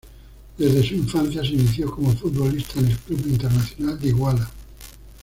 Desde su infancia se inició como futbolista en el Club Internacional de Iguala.